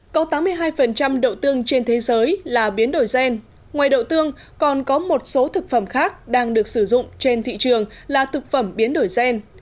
có tám mươi hai đậu tương trên thế giới là biến đổi gen ngoài đậu tương còn có một số thực phẩm khác đang được sử dụng trên thị trường là thực phẩm biến đổi gen